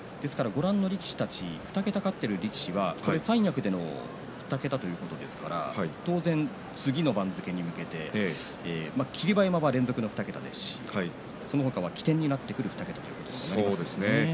２桁勝っている力士は三役での２桁ということですから当然、次の番付に向けて霧馬山は連続の２桁ですしその他は起点になってくる２桁ですね。